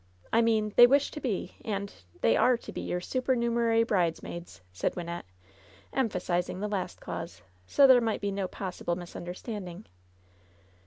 I mean they wish to be and — ^they are to be your supernumerary bridesmaids I'' said Wynnette, emphasizing the last clause, so there might be no possible misunderstanding.